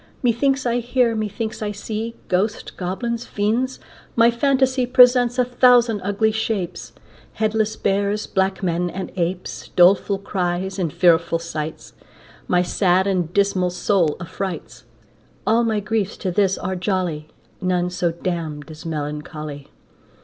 Methinks I hear, methinks I see Ghosts, goblins, fiends; my phantasy Presents a thousand ugly shapes, Headless bears, black men, and apes, Doleful outcries, and fearful sights, My sad and dismal soul affrights. All my griefs to this are jolly, None so damn'd as melancholy.